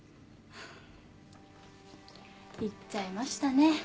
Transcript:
行っちゃいましたね。